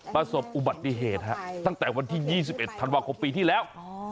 ประสบอุบัติเหตุฮะตั้งแต่วันที่๒๑ธันวาคมปีที่แล้ว